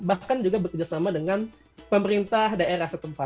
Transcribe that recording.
bahkan juga bekerjasama dengan pemerintah daerah setempat begitu bu